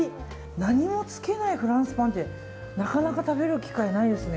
何もつけないフランスパンってなかなか食べる機会ないですね。